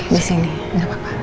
tidak tidak apa apa